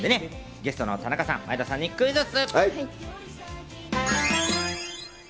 ゲストの田中さんは前田さんにクイズッス。